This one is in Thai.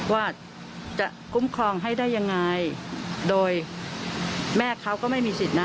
ว่าจะคุ้มครองให้ได้ยังไงโดยแม่เขาก็ไม่มีสิทธิ์นะ